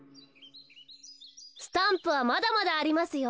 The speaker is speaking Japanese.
スタンプはまだまだありますよ。